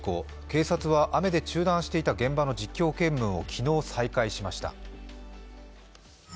警察は雨で中断していた実況見分を昨日、再開しました。